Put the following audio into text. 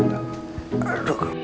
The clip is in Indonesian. aduh betul betul